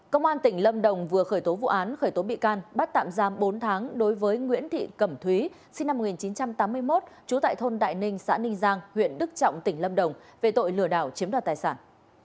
công an tỉnh lâm đồng vừa khởi tố vụ án khởi tố bị can bắt tạm giam bốn tháng đối với nguyễn thị cẩm thúy sinh năm một nghìn chín trăm tám mươi một trú tại thôn đại ninh xã ninh giang huyện đức trọng tỉnh lâm đồng về tội lừa đảo chiếm đoạt tài sản